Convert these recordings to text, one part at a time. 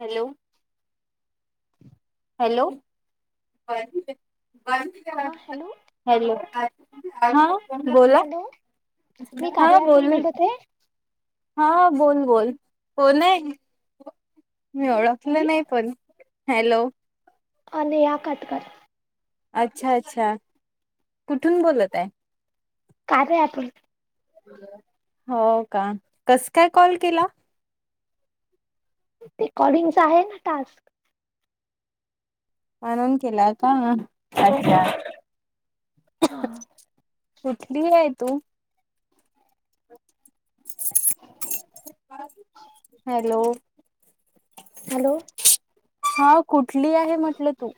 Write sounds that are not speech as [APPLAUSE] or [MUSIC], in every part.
Hello. Hello. हां hello. Hello हा.. बोला हॅलो मी हा कार्या ॲपवरून बोलू. बोलत आहे हां.. बोल बोल कोण नये. मी मी ओळखलं नाही, पण हॅलो. आनिया कट कर. अच्छा अच्छा, कुठून बोलत आहे. काय रे अतुल. हो का, कसं काय कॉल केला. रेकॉर्डिंगचा आहे ना टास्क. आराम केला का, अच्छा. हां कुठली आहे तू. हॅलो. हॅलो. हौ, कुठली आहे म्हटलं तू.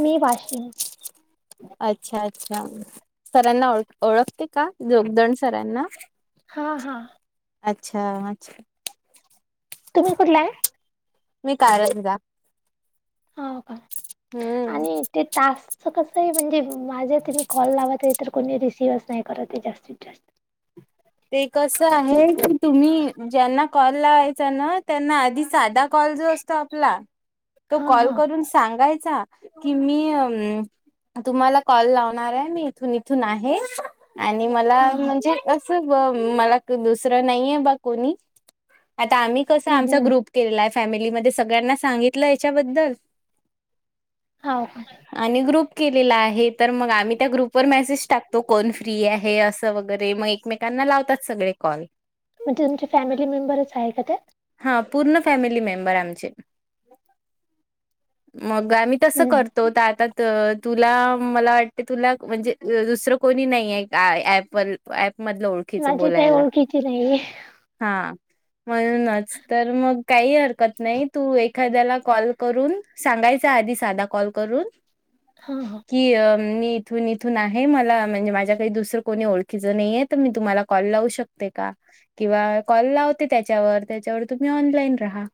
मी वाशीन. अच्छा अच्छा, सरांना ओळ ओळखते का जोगदण सरांना. हां हां. अच्छा अच्छा. तुम्ही कुठल्या आहे. मी कारंजा. हो का, हम्म आणि ते टास्क. अस कसं आहे म्हणजे माझे तुम्ही कॉल लावत, तर कोणी रिसीवच नाही ये करत जास्तीत जास्त. ते कसं आहे की, तुम्ही ज्यांना कॉल. लावायचा ना त्यांना साधा कॉल जो असतो, आपला तो हां कॉल हां करून सांग सांगायचा कि, मी अं.. तुम्हाला कॉल लावणार आहे. मी इथून इथून आहे आणि मला हां हां म्हणजे, मला दुसरं नाहीये बा कोणी, आता आम्ही कसं आमचा ग्रुप. तिला फॅमिलीमध्ये सगळ्यांना सांगितलंय, यांच्या बद्दल. हौ कां. आणि ग्रुप केलेला आहे तर, मग आम्ही त्या ग्रुपवर मेसेज टाक. तो कोण फ्री आहे असं वगैरे, मग एकमेकांना लावतात सगळे कॉल. म्हणजे तुमची फॅमिली मेंबरच आहे का त्यात. हा.. पूर्ण फॅमिली मेंबर आमचे, मग आम्ही. तसं हम्म. करतो दादा. तर तुला मला वाटते तुला म्हणजे, दुसरं कोणी नाही आहे ऍप वर. ॲप मधलं ओळ चुकीच माझी काही बोलायला, ओळखीची नाही आहे हा म्हणूनच तर मग. काही हरकत नाही तू, एखाद्याला कॉल करून सांगायचा आधी साधा कॉल करून. हा हा. की मी इथून इथून आहे मला म्हणजे माझ्या काही दुसरं कोणी ओळखीचं नाही ये, तर मी तुम्हाला कॉल लावू शक ते का किंवा कॉल लावते त्याच्यावर त्याच्यावर तुम्ही ऑनलाईन राहा.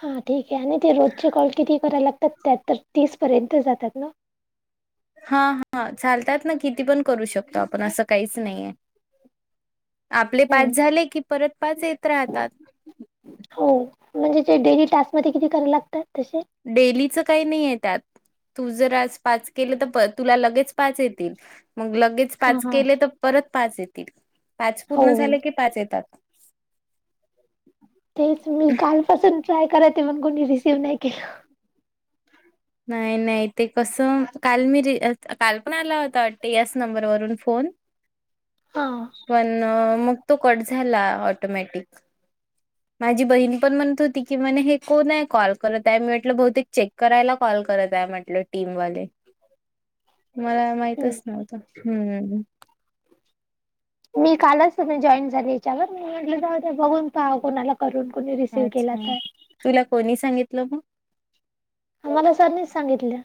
हा ठीक आहे आणि ते रोजचे कॉल किती करायला लागतात त्या तर तीस पर्यंत जातात ना. हा हा चालतात ना किती पण करू शकतो आपण असं काहीच नाहीेये. आपले हम्म, पाच झाले की परत पाच येत राहतात. हो म्हणजे जे डेली टास्क मध्ये किती करा लागतात तशे? डेलीचा काय नाय त्यात. तू जर आज पाच केलं तर प तुला लगेच पाच येतील मग लगे हां, पाच हां. केले तर परत पाच येतील पाच हो, पूर्ण झाले की पाच येतात. तेच मी कालपासून ट्राय करायते म्हणून कोणी रिसीव्ह नाही केला. नाही नाही ते कसं काल मी री अ त काल पण आला होता वाटते याच नंबरवरून फोन. हा. पण मग तो कट झाला ऑटोमॅटिक. माझी बहीण पण म्हणत होती की म्हणे हे कोण आहे कॉल करत आहे मी म्हटलं बहुतेक चेक करायला कॉल करत आहे म्हटलं टीमवाले मला हम्म. माहितच नव्हतं. हम्म. मी कालच जॉईन म झाली याच्यावर मी म्हटलं जाऊ दे बघून काय कोणाला करून कुणी रिसीव्ह केला अच्छा तर तुला कोणी सांगितलं मग. आम्हाला सरनीच सांगितलया.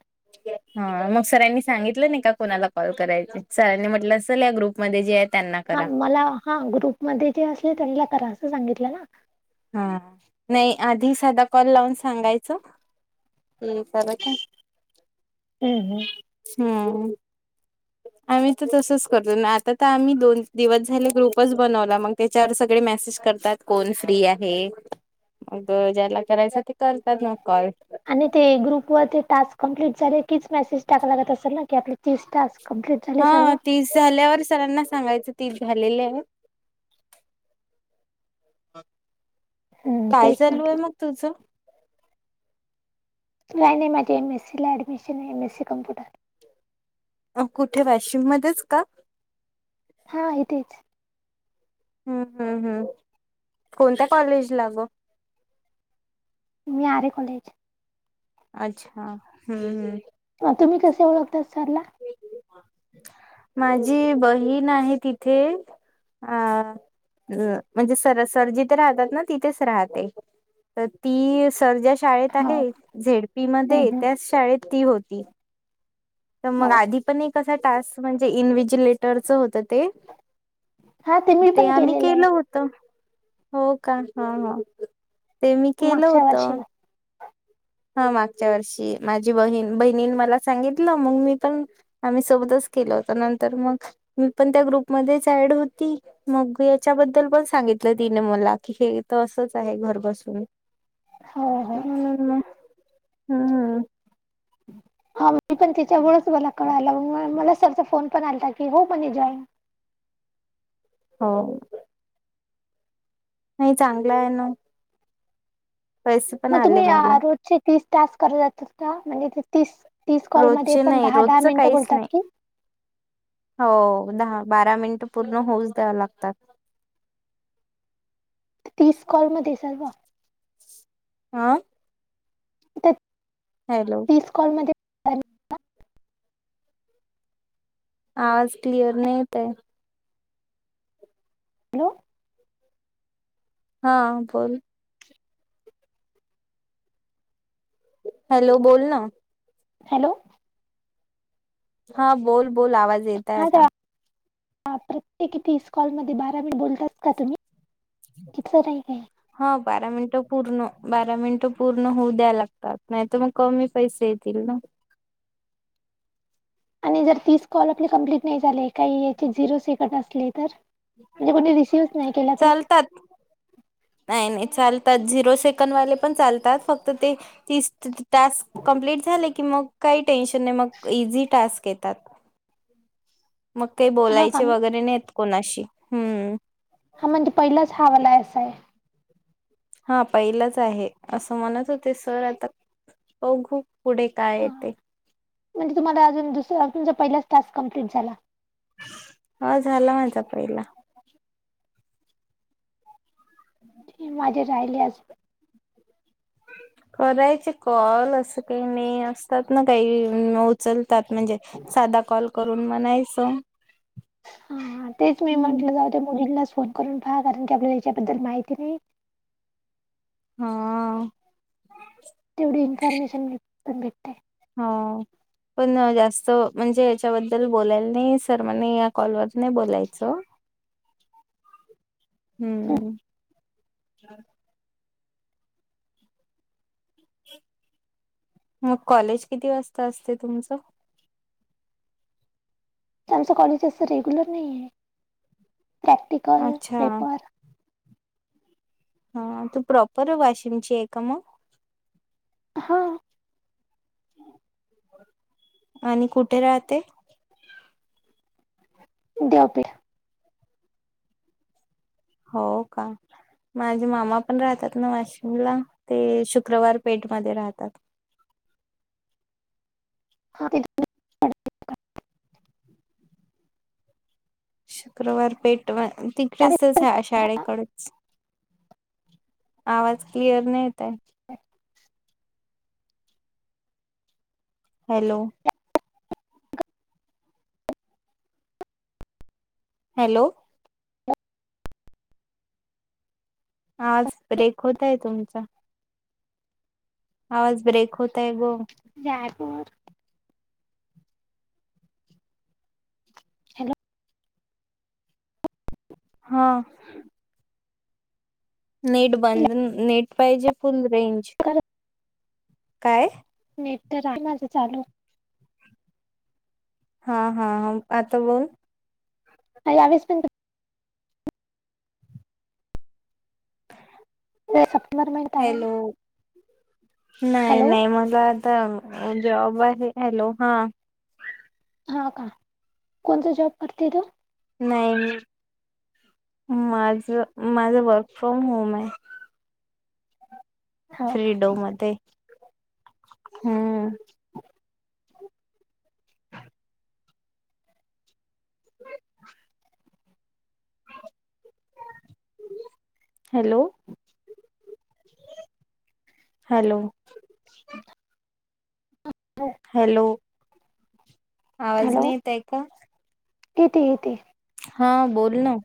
हा मग सरांनी सांगितलं नाही का कोणाला कॉल करायचे सरांनी म्हटलं असेल या ग्रुपमध्ये जे आहेत हा मला हा ग्रुपमध्ये जे असले त्यांला करा असं सांगितलं ना. हा नाही आधी साधा कॉल लावून सांगायच, मग परत. उम्म हम्म. [UNINTELLIGIBLE] [INAUDIBLE] आम्ही तर तसंच करतो आता तर आम्ही दोन दिवस झाले ग्रुपच बनवला मंग त्याच्यावर सगळे मेसेज करतात. कोण फ्री आहे मग ज्याला करायच ते करतात ना कॉल. आणि ते ग्रुप वर ते टास्क कंप्लीट झाले कीच मेसेज टाकला लागत असेल ना की आपली तीस टास्क कंप्लीट झाले सर्व? हा तीस झाल्यावर सरांना सांगायचे तीस झालेले आहे. हम्म, काय तेच चालू आहे म्हटलं. मग तुझं? नाही नाही माझे एम एसी ला ऍडमिशन आहे एम एसी कम्प्युटर. कुठे वाशिम मध्येच का? हा इथेच हम्म हम्म हम्म कोणत्या कॉलेजला गं. मी आरे कॉलेज अच्छा हम्म हम्म. तुम्ही कसे ओळखतात सर ला? माझी बहीण आहे तिथे आं म्हणजे सर सर जिथे राहतात ना तिथेच राहते. तर ती सर ज्या शाळेत हो आहे झेड पी हम्म, मध्ये हम्म. त्याच शाळेत ती होती. तर मग हो आधी पण एक असा टास्क म्हणजे इनव्हजिलेटरच होत ते हा मी ते पण आम्ही केलेलं आहे केलं हो त हो का हा हा ते मी केलं मागच्या वर्षी होतं. हा मागच्या वर्षी माझी बहीण बहिणीने मला सांगितलं मंग मी पण आम्ही सोबतच केल होतं नंतर मग मी पण त्या ग्रुपमध्येच ऍड होती. मग याच्याबद्दल पण सांगितलं तिने मला की हे तर असंच आहे घर बसून ह म्हणून मग हम्. हम् हा मी पण तिच्यामुळेच मला कळायला म मला सरचा फोन पण आलाता की हो म्हणे जॉईन हो. नाही चांगला आहे ना. पैसे पण म आले तुम्ही या मला रोजचे तीस टास्क करू [UNINTELLIGIBLE] म्हणजे ते तीस तीस कॉलमध्ये रोजचे पण नाही दहा-दहा रोजच मिनिटं काहीच बोलतात नाही की. हो दहा बारा मिनिटं पूर्ण होऊच द्याव लागतात. तीस कॉलमध्ये सर्व. हां. तेत हॅलो. तीस कॉलमध्ये आवाज क्लिअर नाही येत आहे. [UNINTELLIGIBLE] हा बोल. हॅलो बोल ना. हॅलो. हा बोल बोल आवाज येत आहे हा का आता बापरे [INAUDIBLE] की तीस कॉलमध्ये बारा मिंट बोलतात का तुम्ही? तिथलं नाही काही. हा बारा मिनिटं पूर्ण बारा मिनिटं पूर्ण होऊ द्याय लागतात नाही तर मग कमी पैसे येतील ना. आणि जर तीस कॉल आपले कंप्लीट नाही झाले. काही याचे झिरो सेकंड असले तर, म्हणजे कोणी रिसिव्हचं नाही केला तर. चालतात नाही नाही चालतात, झिरो सेकंड वाले पण चालतात फक्त ते तीस. टास्क कम्प्लीट झाले की मग काही टेन्शन नाही मग इझी टास्क येतात. मग काही हा बोलायचे काम वगैरे, नाहीे येत कोणाशी हम्म. हा म्हणजे पहिलाच हा वाला असा आहे. हा पहिलाच आहे असं म्हणत होते सर आता बघू पुढे काय हा येते? म्हणजे तुम्हाला अजून दुसरा म्हणजे पहिलाच टास्क कंप्लीट झाला. हा.. झाला माझा पहिला. हे माझे राहिले असं करायचे कॉल असं काही नाही असतात ना काही मौ चल त्यात म्हणजे सादा कॉल करून म्हणायचं हा हा तेच मी हम्म. म्हटलं जाऊ दे मुलींला फोन करून पहा कारण की आपल्याला याच्याबद्दल माहिती नाही. हा. तेवढी इन्फॉर्मेशन पण भेटतेय. हाव. पण जास्त म्हणजे याच्याबद्दल बोलायला नाही सर म्हणे या कॉलवर नाय बोलायचं. हम्म. मग कॉलेज किती वाजता असते तुमचं? आमचं कॉलेज असं रेग्युलर नाही ये, प्रॅक्टिकल अच्छा पेपर. हा तू प्रॉपर वाशिमची आहे का मग. हां. आणि कुठे राहते? दयो पे होव का? माझे मामा पण राहतात ना वाशिमला ते शुक्रवार पेठमध्ये राहतात. [UNINTELLIGIBLE] शुक्रवार पेटवाय तिकडेच तेच आहे शाळेकडेच. आवाज क्लिअर नाय येताय. हॅलो. हॅलो. आवाज ब्रेक होत आहे तुमचा. आवाज ब्रेक होताय गो. जायपूर हॅलो. हा. नेट बंद हॅलो नेट पाहिजे फुल रेंज काय नेट तर आहे माझं चालू. हा हा हम्म आता बोल. हा यावेस पण तर सप्टेंबर महिन्यात आहे ना हॅलो नाही हॅलो नाही माझा आज तम जॉब आहे हॅलो हा. हा का कोणता जॉब करते तु? नाही मी माझं माझं वर्क फ्रॉम होम आहे. हो फ्रीडो मध्ये हम्म. [UNINTELLIGIBLE] हॅलो. हॅलो. [UNINTELLIGIBLE] हॅलो आवाज हॅलो नाही येताय का? येते येते. हा बोल ना.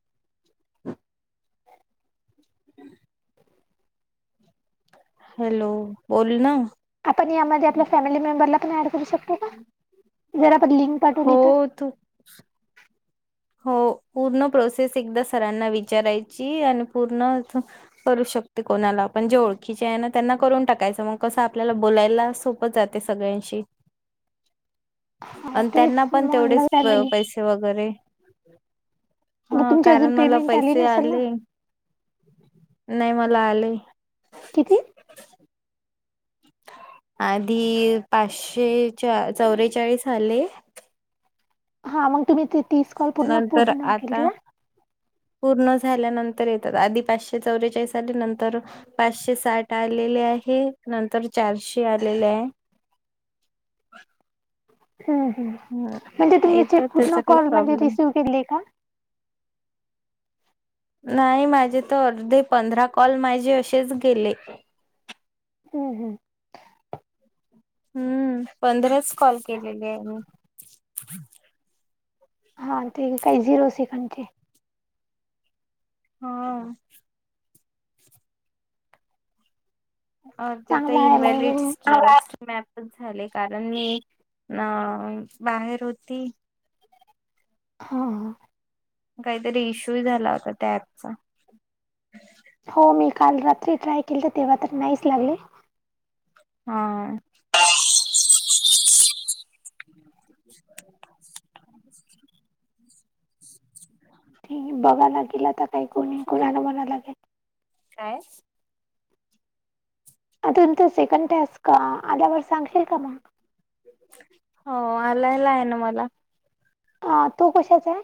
हम् हॅलो बोल ना. आपण यामध्ये आपल्या फॅमिली मेंबरला पण ॲड करू शकतो का जर आपण लिंक पाठवली तर? थु हो पूर्ण प्रोसेस एकदा सरांना विचारायची आणि पूर्ण करू शकते कोणाला पण जे ओळखीचे आहे ना त्यांना करून टाकायचं मग कसं आपल्याला बोलायला सोप पच जाते सगळ्यांशी. [UNINTELLIGIBLE] [INAUDIBLE] हा आन तेच त्यांना पण म्हणलं तेवढेच पै फॅमिली पैसे वगैरे मग हा तुमची अजून कारण मला पेमेंट आली पैसे नसेल ना आले नाय मला आले. किती आदी पाचशे चौ चौरे चाळीस आले. हा मंग तुम्ही ते तीस कॉल पूर्ण नंतर पूर्ण आता केलीया? पूर्ण झाल्यानंतर येतात आदीपाचशे चौवेचाळीस आले नंतर पाचशे साठ आलेले आहे नंतर चारशे आलेले आहे. हम्म हम्म म्हणजे तुमचे येतात पूर्ण त्याचा काही कॉल म्हणजे प्रॉब्लेम रिसीव्ह केलेय का? नाही माझे तर अर्धे पंधरा कॉल माझे अशेच गेले. हम्म हम्म. हम्म पंधराच कॉल केलेली आहे मी. हा ती काही झिरो सेकंड ती हां अ तेथ, चांगला आहे मग इनव्हलिडस [UNINTELLIGIBLE] मॅपच झालंय, कारण मी अ बाहेर होती. हा. काहीतरी इश्यू ही झाला होता त्या ऍपचा. हो मी काल रात्री ट्राय केली तर तेव्हा तर नाहीच लागले. हां. [INAUDIBLE] ती बघावं लागेल आता काही कोणी कोणाला म्हणावं लागेल. काय? अजून ते सेकंड टास्का आल्यावर सांगशील का मग? हो आलायला आहे ना मला. हा, तो कशाच आहे?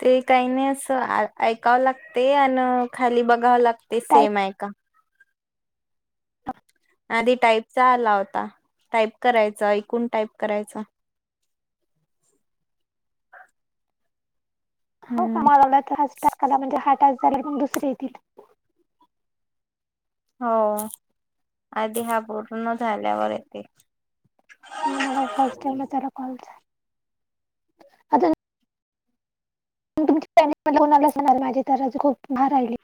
ते काही नाही असं, ऐकावं लागते आण, खाली बघावं लागते सेम टाईप हाय का? [INAUDIBLE] आधी टाईपचा आला होता. टाईप करायचां, ऐकून टाईप करायचा. हो हम्म कामा लावला, तर हा टास्क म्हणजे हा टास्क झाला मग दुसरे येतील. हो, आधी हा पूर्ण झाल्यावर येते हा मला फर्स्ट टाईमच आला कॉलचा. आता [UNINTELLIGIBLE] माझे तर खूप भार राहिली